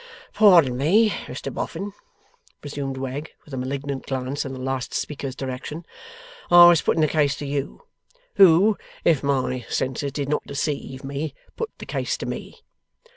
'Pardon me, Mr Boffin,' resumed Wegg, with a malignant glance in the last speaker's direction, 'I was putting the case to you, who, if my senses did not deceive me, put the case to me.